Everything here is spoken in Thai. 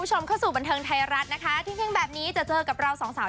ชมที่แหงแบบนี้จะเจอกับเราสองสาว